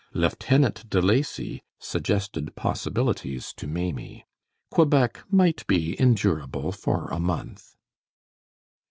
Lieutenant De Lacy suggested possibilities to Maimie. Quebec might be endurable for a month.